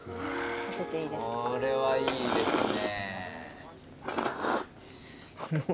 これはいいですね。